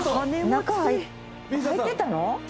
中入ってたの？